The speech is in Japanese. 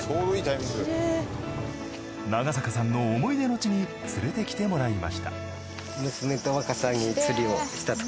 長坂さんの思い出の地に連れてきてもらいました。